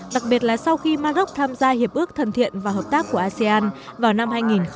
đặc biệt là sau khi maroc tham gia hiệp ước thân thiện và hợp tác của asean vào năm hai nghìn một mươi năm